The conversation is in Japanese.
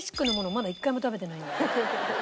まだ一回も食べてない。